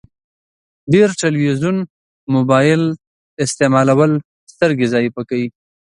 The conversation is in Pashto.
ډير تلويزون مبايل استعمالول سترګي ضعیفه کوی